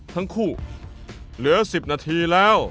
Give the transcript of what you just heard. ทั้งคู่เหลือ๑๐นาทีแล้ว